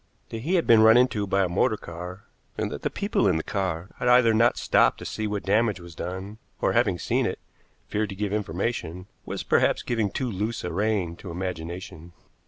That he had been run into by a motor car, and that the people in the car had either not stopped to see what damage was done, or, having seen it, feared to give information, was perhaps giving too loose a rein to imagination.